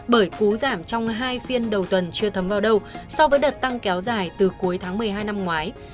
bởi cú giảm trong hai phiên đầu tuần chưa thấm vào đâu so với đợt tăng kéo dài từ cuối tháng một mươi hai năm ngoái